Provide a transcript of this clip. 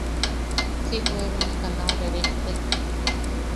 Si juebenaka nau rerejte.